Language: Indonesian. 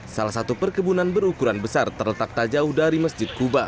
salah satu perkebunan berukuran besar terletak tak jauh dari masjid kuba